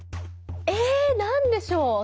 え何でしょう？